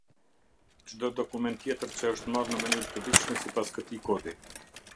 Çdo dokument tjetër që është marrë në mënyrë të ligjshme sipas këtij Kodi.